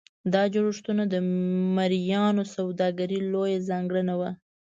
دا جوړښتونه د مریانو سوداګري لویه ځانګړنه وه.